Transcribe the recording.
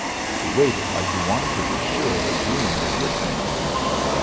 He waited like he wanted to be sure the groom was listening.